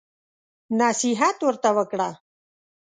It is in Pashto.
نصيحت ورته وکړه.